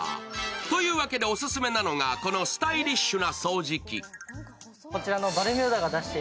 というわけで、オススメなのが、このスタイリッシュな掃除機。